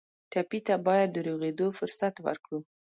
ټپي ته باید د روغېدو فرصت ورکړو.